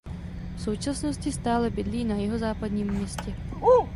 V současnosti stále bydlí na Jihozápadním městě.